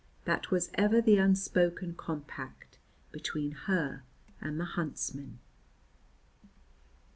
That was ever the unspoken compact between her and the huntsmen.